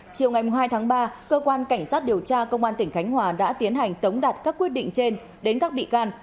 chiều ngày hai tháng ba cơ quan cảnh sát điều tra công an tỉnh khánh hòa đã tiến hành tống đạt các quyết định trên đến các bị can